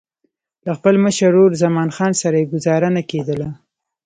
له خپل مشر ورور زمان خان سره یې ګوزاره نه کېدله.